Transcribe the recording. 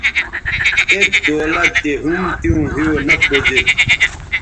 ایت دولت دے ھُم تیوں ھِیو نہ پوزید